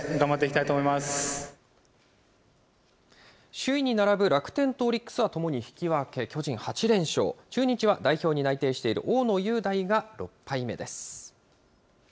首位に並ぶ楽天とオリックスはともに引き分け、巨人８連勝、中日は代表に内定している大野雄大が６敗目です。